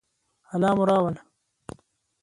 الله مو راوله